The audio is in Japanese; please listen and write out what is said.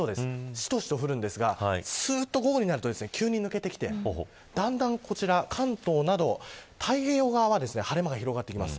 しとしと降るんですがすっと午後になると急に抜けてきてだんだん、こちら関東など太平洋側は晴れ間が広がってきます。